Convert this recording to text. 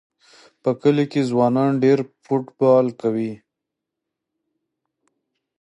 په کلي کې ځوانان ډېر فوټبال کوي.